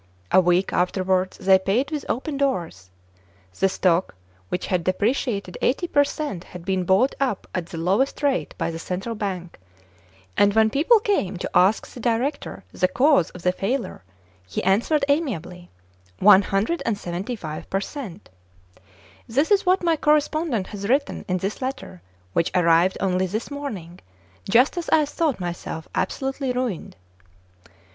A week afterwards they paid with open doors. The stock, which had depreciated eighty per cent, had been bought up at the lowest rate by the Central Bank ; and, when people came to ask the director the cause of the failure, he answered amiably, ' One hundred and seventy five per cent' This is what my correspondent has written in this letter, which arrived only this morning, just as I thought myself absolutely ruined."